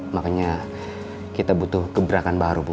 makanya kita butuh gebrakan baru bu